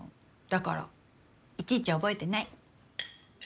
だからいちいち覚えてない。